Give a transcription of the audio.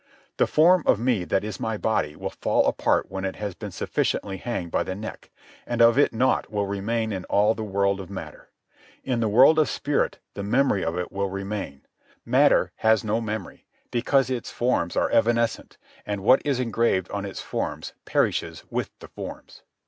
The form of me that is my body will fall apart when it has been sufficiently hanged by the neck, and of it naught will remain in all the world of matter. In the world of spirit the memory of it will remain. Matter has no memory, because its forms are evanescent, and what is engraved on its forms perishes with the forms.